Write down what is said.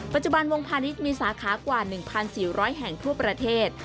ปัจจุบันวงพาณิชย์มีสาขากว่า๑๔๐๐แห่งทั่วประเทศ